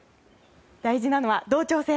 大事なのは同調性。